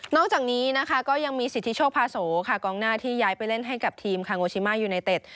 จากนี้นะคะก็ยังมีสิทธิโชคพาโสค่ะกองหน้าที่ย้ายไปเล่นให้กับทีมคาโงชิมายูไนเต็ด